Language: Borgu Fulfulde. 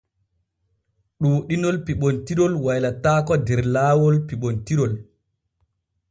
Ɗuuɗinol piɓontirol waylataako der laawol piɓontirol.